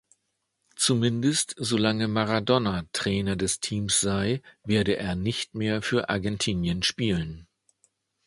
Zumindest, solange Maradona Trainer des Teams sei, werde er nicht mehr für Argentinien spielen.